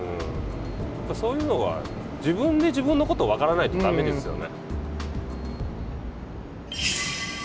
そういうのが自分で自分のこと分からないとだめですよね。